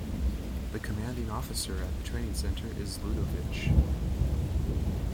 The commanding officer at the training centre is Ludovic.